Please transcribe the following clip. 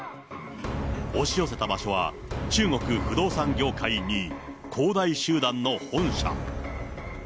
押し寄せた場所は、中国不動産業界２位、恒大集団の本社。